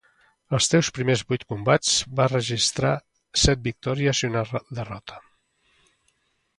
En els seus vuit primers combats va registrar set victòries i una derrota.